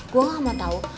gue gak mau tau